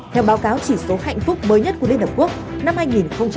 theo báo cáo chỉ số hạnh phúc mới nhất của liên hợp quốc